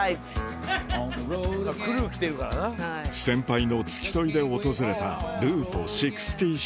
先輩の付き添いで訪れたルート６６